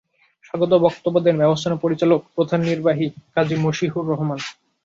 স্বাগত বক্তব্য দেন ব্যবস্থাপনা পরিচালক ও প্রধান নির্বাহী কাজী মসিহুর রহমান।